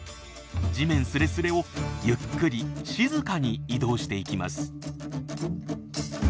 地面すれすれをゆっくり静かに移動していきます。